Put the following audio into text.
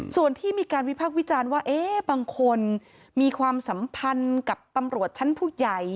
ส่วนที่มีการวิพักษ์วิจารณ์ว่าบางคนมีความสัมพันธ์กับตำรวจชั้นผู้ใหญ่